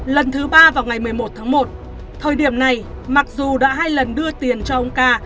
lần thứ ba vào ngày một mươi một tháng một thời điểm này mặc dù đã hai lần đưa tiền cho ông ca